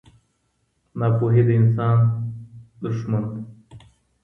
ناپوهي د انسان دښمن ده.